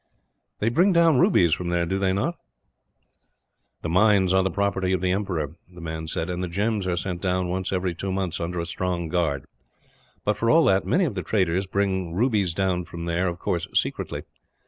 "They bring down rubies from there, do they not?" "The mines are the property of the emperor," the man said, "and the gems are sent down, once every two months, under a strong guard; but for all that, many of the traders bring rubies down from there of course, secretly.